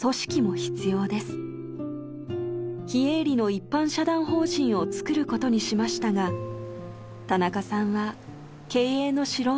非営利の一般社団法人を作ることにしましたが田中さんは経営の素人。